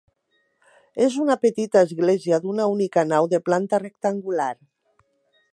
És una petita església d'una única nau de planta rectangular.